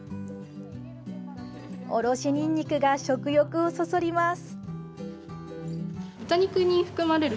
おろしにんにくが食欲をそそります。